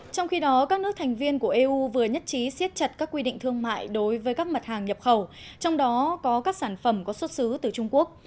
trong khi đó các nước thành viên của eu vừa nhất trí siết chặt các quy định thương mại đối với các mặt hàng nhập khẩu trong đó có các sản phẩm có xuất xứ từ trung quốc